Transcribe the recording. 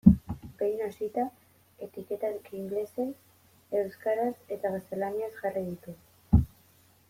Behin hasita, etiketak ingelesez, euskaraz eta gaztelaniaz jarri ditut.